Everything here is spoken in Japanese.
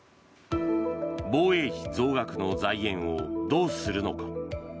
防衛費増額の財源をどうするのか。